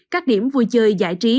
các điểm vui chơi giải trí